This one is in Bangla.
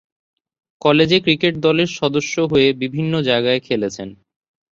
কলেজে ক্রিকেট দলের সদস্য হয়ে বিভিন্ন জায়গায় খেলেছেন।